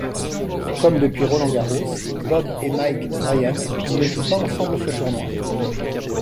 Comme depuis Roland-Garros, Bob et Mike Bryan ne jouent pas ensemble ce tournoi.